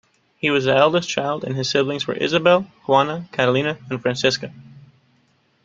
He was the eldest child and his siblings were Isabel, Juana, Catalina and Francisca.